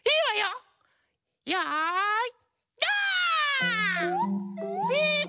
よい。